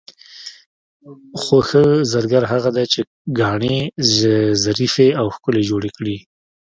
خو ښه زرګر هغه دی چې ګاڼې ظریفې او ښکلې جوړې کړي.